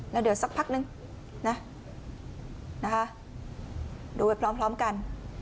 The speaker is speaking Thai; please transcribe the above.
แล้วเดี๋ยวสักพักนึงนะนะคะดูไปพร้อมกัน